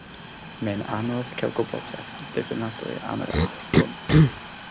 Mae'n anodd cael gwybodaeth ddibynadwy am yr arf hwn.